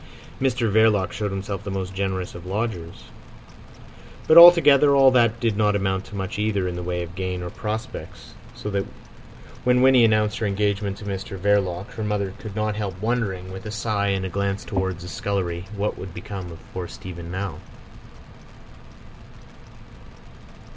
Mr Verloc showed himself the most generous of lodgers. But altogether all that did not amount to much either in the way of gain or prospects; so that when Winnie announced her engagement to Mr Verloc her mother could not help wondering, with a sigh and a glance towards the scullery, what would become of poor Stephen now.